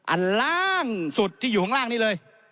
อันล่างสุดที่อยู่ข้างล่างนี้เลย